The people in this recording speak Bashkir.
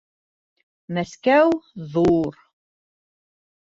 Мәскәү ҙур...